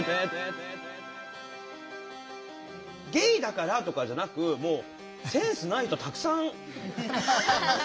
「ゲイだから」とかじゃなくもうセンスない人はたくさん。